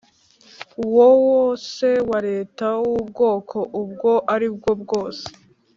wo wose wa Leta w ubwoko ubwo ari bwo bwose